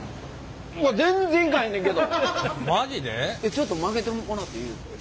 ちょっと曲げてもらっていいですか？